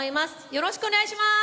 よろしくお願いします！